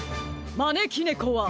まねきねこは。